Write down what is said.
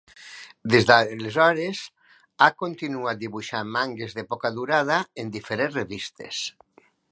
Des d'aleshores, ha continuat dibuixant mangues de poca durada en diferents revistes.